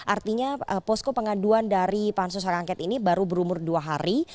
artinya posko pengaduan dari pansus hak angket ini baru berumur dua hari